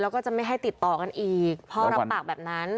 แล้วก็จะไม่ให้ติดต่อกันอีกพ่อรับปากแบบนั้น